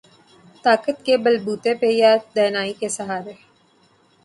طاقت کے بل بوتے پہ یا دانائی کے سہارے۔